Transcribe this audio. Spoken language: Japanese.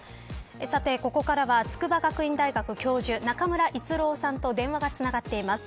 さて、ここからは筑波学院大学教授、中村逸郎さんと電話がつながっています。